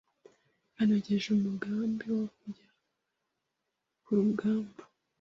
yanogeje umugambi wo kujya ku rugamba